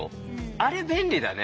あれ便利だね。